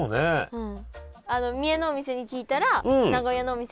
うん。